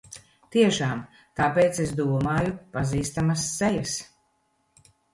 Tiešām! Tāpēc es domāju pazīstamas sejas.